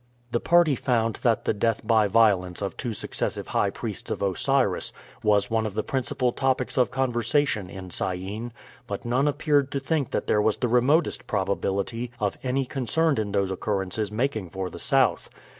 The party found that the death by violence of two successive high priests of Osiris was one of the principal topics of conversation in Syene, but none appeared to think that there was the remotest probability of any concerned in those occurrences making for the south.